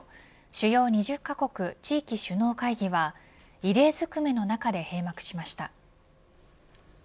主要２０カ国地域首脳会議は異例ずくめの中で閉幕しました。